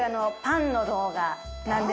パンの動画？